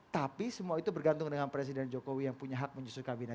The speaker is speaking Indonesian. tapi semua itu bergantung dengan presiden jokowi yang punya hak menyusul kabinet